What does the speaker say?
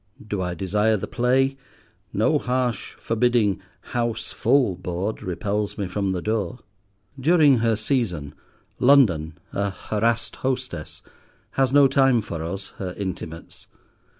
Do I desire the play, no harsh, forbidding "House full" board repels me from the door. During her season, London, a harassed hostess, has no time for us, her intimates.